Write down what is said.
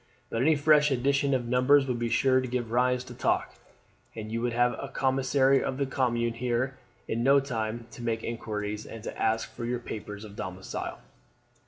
But any fresh addition of numbers would be sure to give rise to talk, and you would have a commissary of the Commune here in no time to make inquiries, and to ask for your papers of domicile."